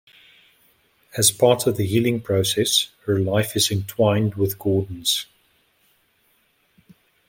As part of the healing process, her life is entwined with Gordon's.